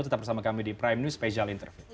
tetap bersama kami di prime news special interview